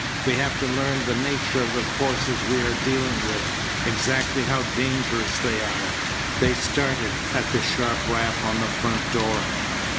We have to learn the nature of the forces we are dealing with, exactly how dangerous they are." They started at a sharp rap on the front door.